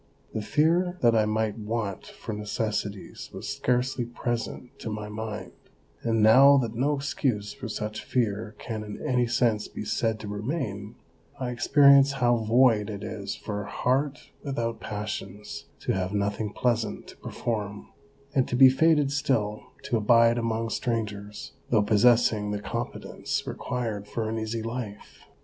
The fear that I might want for necessities was scarcely present to my mind, and now that no excuse for such fear can in any sense be said to remain, I experience how void it is for a heart without passions to have nothing pleasant to perform, and to be fated still to abide among strangers, though possessing the competence required for an easy life.